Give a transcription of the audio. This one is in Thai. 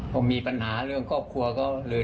พอมีปัญหาเรื่องครอบครัวก็เลย